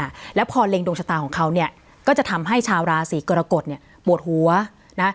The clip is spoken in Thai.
ค่ะแล้วพอเล็งดวงชะตาของเขาเนี่ยก็จะทำให้ชาวราศีกรกฎเนี่ยปวดหัวนะ